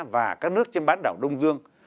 và các nước trên bán đảo đông dương